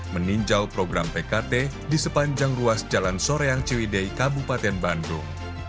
meninjau program pkt di sepanjang ruas jalan soreang ciwidei kabupaten bandung